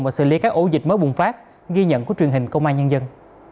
và xử lý các ổ dịch mới bùng phát ghi nhận của truyền hình công an nhân dân